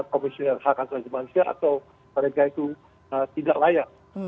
komisioner hak asasi manusia atau mereka itu tidak layak